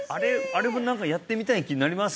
あれも何かやってみたい気になりますよね